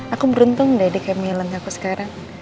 aku beruntung deh di km ngelantar aku sekarang